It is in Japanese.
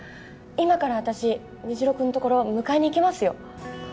今から私虹朗君のところ迎えに行きますよ